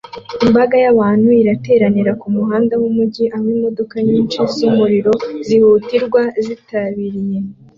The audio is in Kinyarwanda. Imbaga y'abantu irateranira kumuhanda wumujyi aho imodoka nyinshi zumuriro zihutirwa zitabiriye